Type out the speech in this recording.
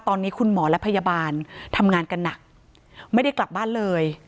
ตอนนี้คุณหมอและพยาบาลทำงานกันหนักไม่ได้กลับบ้านเลย